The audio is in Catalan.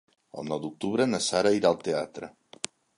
El nou d'octubre na Sara irà al teatre.